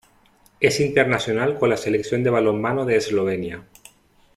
Es internacional con la selección de balonmano de Eslovenia.